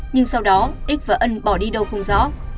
nhưng sau đó ít và ân bỏ đi đâu không rõ